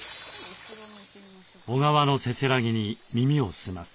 小川のせせらぎに耳を澄ます。